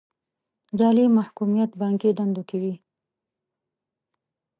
جعلي محکوميت بانکي دندو کې وي.